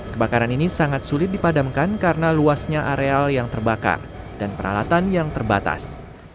kebakaran ini sangat sulit dipadamkan karena luasnya areal yang terbakar dan peralatan yang terbatas